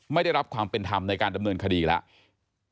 ไม่ได้รับความเป็นธรรมในการดำเนินคดีแล้ว